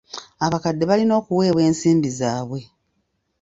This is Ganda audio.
Abakadde balina okuweebwa ensimbi zaabwe.